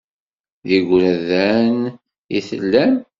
D igrudan i tellam.